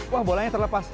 wah bolanya terlepas